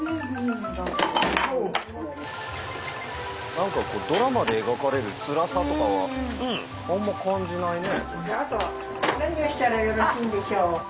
何かドラマで描かれるつらさとかはあんま感じないね。